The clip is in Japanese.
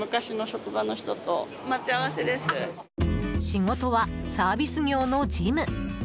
仕事は、サービス業の事務。